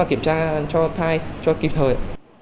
và kiểm tra cho thai cho kịp thời